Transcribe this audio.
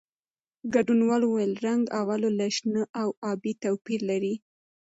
ګډونوالو وویل، رنګ "اولو" له شنه او ابي توپیر لري.